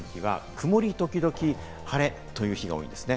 曇り時々晴れという日が多いです。